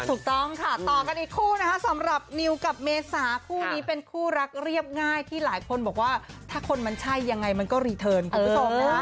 ถูกต้องค่ะต่อกันอีกคู่นะคะสำหรับนิวกับเมษาคู่นี้เป็นคู่รักเรียบง่ายที่หลายคนบอกว่าถ้าคนมันใช่ยังไงมันก็รีเทิร์นคุณผู้ชมนะ